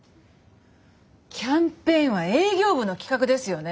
キャンペーンは営業部の企画ですよね？